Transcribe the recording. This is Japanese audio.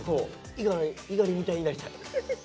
猪狩猪狩みたいになりたい？